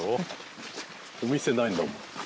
お店ないんだもん。